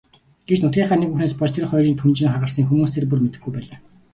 Гэвч нутгийнхаа нэг хүүхнээс болж тэр хоёрын түнжин хагарсныг хүмүүс тэр бүр мэдэхгүй байлаа.